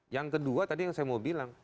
yang kedua tadi yang saya mau bilang